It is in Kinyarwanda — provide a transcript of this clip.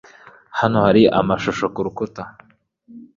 Hano hari amashusho kurukuta.